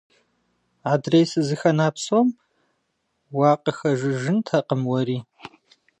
Адрей сызыхэна псом уакъыхэжыжынтэкъым уэри.